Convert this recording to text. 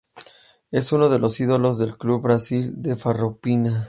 Es uno de los ídolos del club Brasil de Farroupilha.